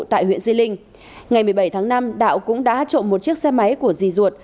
tại huyện di linh ngày một mươi bảy tháng năm đạo cũng đã trộm một chiếc xe máy của di ruột